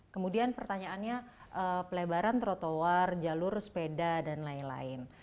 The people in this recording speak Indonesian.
kemudian pertanyaannya pelebaran trotoar jalur sepeda dan lain lain